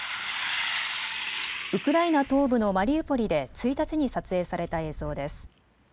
ウクライナ東部のマリウポリで１日に撮影された映像です。